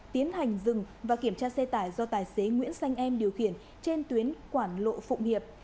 tiến hành dừng và kiểm tra xe tải do tài xế nguyễn xanh em điều khiển trên tuyến quảng lộ phụng hiệp